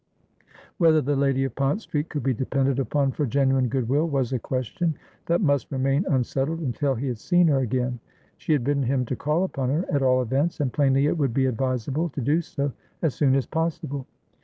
Whether the lady of Pont Street could be depended upon for genuine good will, was a question that must remain unsettled until he had seen her again. She had bidden him to call upon her, at all events, and plainly it would be advisable to do so as soon as possible.